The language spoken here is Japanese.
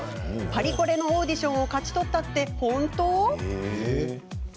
パリコレのオーディションを勝ち取ったって本当？